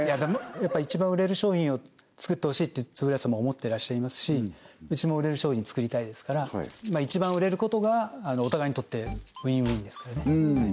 やっぱ一番売れる商品を作ってほしいって円谷さんも思ってらっしゃいますしうちも売れる商品作りたいですから一番売れることがお互いにとってｗｉｎ−ｗｉｎですからね